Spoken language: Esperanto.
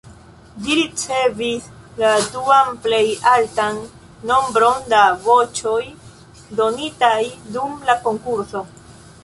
Ĝi ricevis la duan plej altan nombron da voĉoj donitaj dum la konkurso.